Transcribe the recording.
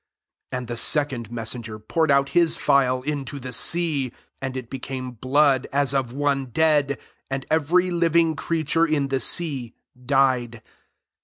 S And the second [meaaen' ger] poured out his phial into the sea ; and it bebame blood as oione dead: and every [liv ing] creature in the sea died.